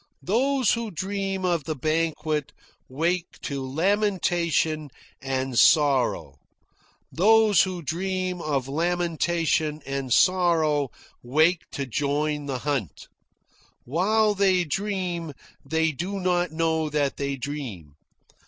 Those who dream of the banquet, wake to lamentation and sorrow. Those who dream of lamentation and sorrow, wake to join the hunt. While they dream, they do not know that they dream.